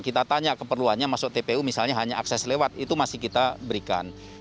kita tanya keperluannya masuk tpu misalnya hanya akses lewat itu masih kita berikan